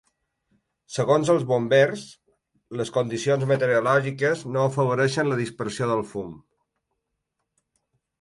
Segons els bombers, les condicions meteorològiques no afavoreixen la dispersió del fum.